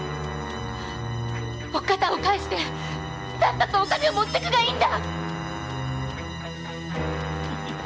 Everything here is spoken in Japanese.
おっかさんを返してさっさとお金を持っていくがいいんだ！